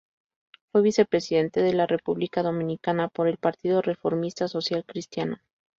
Fue vicepresidente de la República Dominicana por el Partido Reformista Social Cristiano.